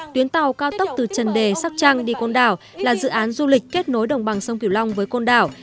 tuyến tàu cao tốc từ trần đề sóc trăng đi côn đảo là dự án du lịch kết nối đồng bằng sông kiều long với côn đảo